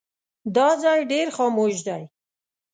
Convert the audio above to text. دا ځای ډېر خاموش دی.